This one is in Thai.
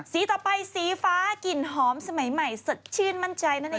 ต่อไปสีฟ้ากลิ่นหอมสมัยใหม่สดชื่นมั่นใจนั่นเอง